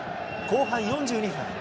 後半４２分。